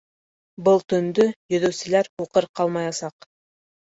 Был төндө йөҙөүселәр һуҡыр ҡалмаясаҡ.